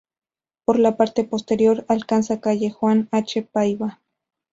Por la parte posterior alcanza calle Juan H. Paiva.